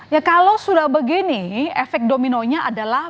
ya kalau sudah begini efek dominonya adalah